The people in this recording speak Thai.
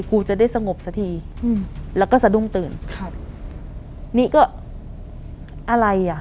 กูจะได้สงบสักทีอืมแล้วก็สะดุ้งตื่นครับนี่ก็อะไรอ่ะ